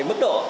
ba năm thôi